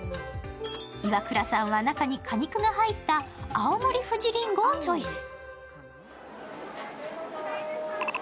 イワクラさんは中に果肉が入った青森ふじりんごをチョイス。